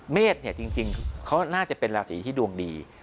เมษเนี่ยจริงเขาน่าจะเป็นราศีที่ดวงดี